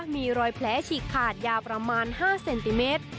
มีรอยแผลฉีกขาดยาวประมาณ๕เซนติเมตร